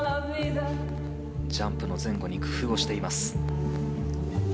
ジャンプの前後に工夫をしています。